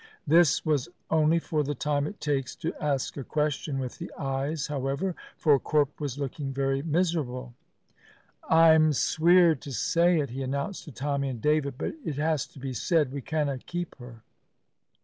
This was only for the time it takes to ask a question with the eyes, however, for Corp was looking very miserable. "I'm sweer to say it," he announced to Tommy and David, "but it has to be said. We canna keep her."